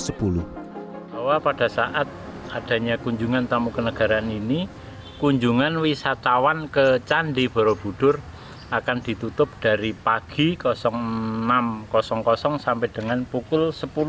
bahwa pada saat adanya kunjungan tamu kenegaraan ini kunjungan wisatawan ke candi borobudur akan ditutup dari pagi enam sampai dengan pukul sepuluh